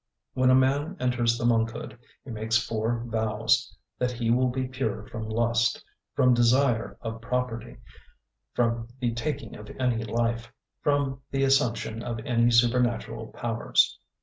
When a man enters the monkhood, he makes four vows that he will be pure from lust, from desire of property, from the taking of any life, from the assumption of any supernatural powers.